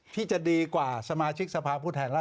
ที่จะดีกว่าสมาชิกสภาพภูมิแทนรัฐสะดอน